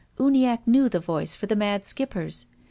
Uniacke knew the voice for the mad Skipper's.